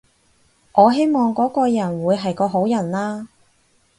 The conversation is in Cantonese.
我希望嗰個人會係個好人啦